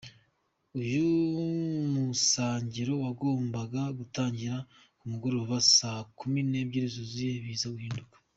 Uyu musangiro wagombaga gutangira ku mugoroba saa kumi n’ebyiri zuzuye, biza guhinduka.